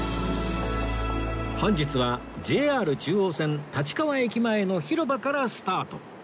本日は ＪＲ 中央線立川駅前の広場からスタート